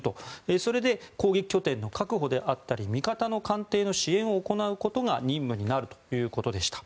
それで攻撃拠点の確保であったり味方の艦艇の支援を行うことが任務になるということでした。